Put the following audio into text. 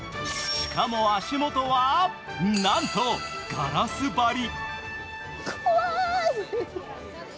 しかも足元は、なんとガラス張り。